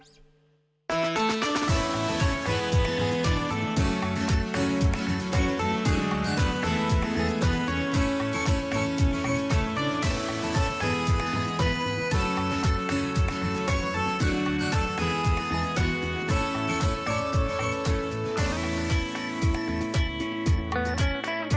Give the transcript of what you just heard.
โปรดติดตามตอนต่อไป